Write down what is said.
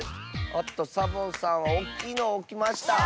おっとサボさんはおっきいのをおきました。